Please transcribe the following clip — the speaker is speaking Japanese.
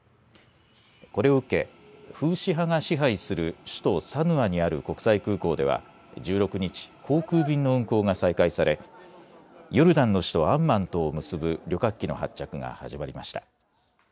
これを受けフーシ派が支配する首都サヌアにある国際空港では１６日、航空便の運航が再開されヨルダンの首都アンマンとを結ぶ旅客機の発着が始まりました。